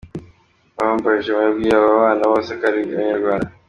Uwambajemariya yabwiye aba bana bose ko ari Abanyarwanda.